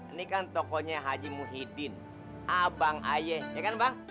ini kan tokohnya haji muhyiddin abang aye ya kan bang